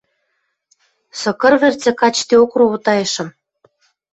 Сыкыр пӹрцӹ качдеок ровотайышым.